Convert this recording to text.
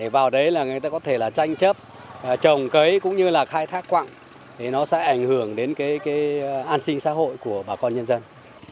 vào đấy là người ta có thể là tranh chấp trồng cấy cũng như là khai thác quặng thì nó sẽ ảnh hưởng đến cái an sinh xã hội của bà con nhân dân